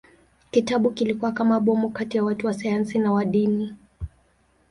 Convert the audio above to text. Kitabu kilikuwa kama bomu kati ya watu wa sayansi na wa dini.